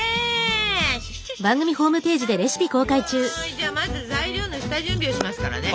じゃあまず材料の下準備をしますからね。